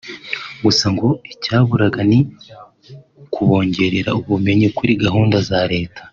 gusa ngo icyaburaga ni ukubongerera ubumenyi kuri gahunda za leta